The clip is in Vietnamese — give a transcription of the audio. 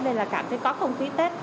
đây là cảm thấy có không khí tết